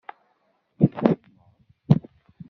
I teqqimeḍ?